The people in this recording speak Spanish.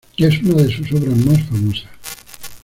Es una de sus obras más famosas.